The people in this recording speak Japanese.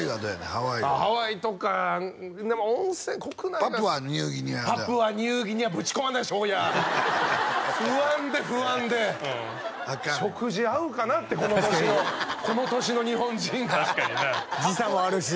ハワイはああハワイとかでも温泉国内がパプアニューギニアパプアニューギニアぶち込まないでしょ親不安で不安で食事合うかなってこの年のこの年の日本人が時差もあるし